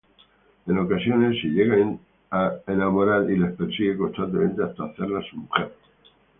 En ocasiones, si llega a enamorar y las persigue constantemente hasta hacerla su mujer.